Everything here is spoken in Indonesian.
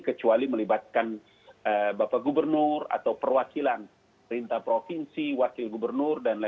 kecuali melibatkan bapak gubernur atau perwakilan perintah provinsi wakil gubernur